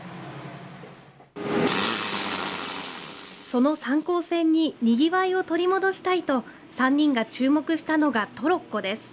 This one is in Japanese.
その三江線ににぎわいを取り戻したいと３人が注目したのがトロッコです。